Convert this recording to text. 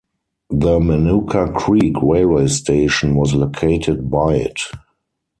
The Manuka Creek Railway Station was located by it.